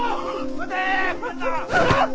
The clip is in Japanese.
待て！